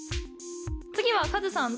次はカズさん